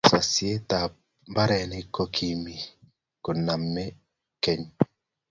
sosyetab mbarenik ko kimito koname keny.